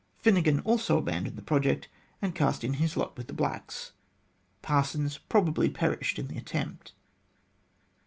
Finnegan also abandoned the project and cast in his lot with the blacks. Parsons probably perished in the attempt.